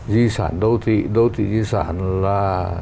di sản đô thị đô thị di sản là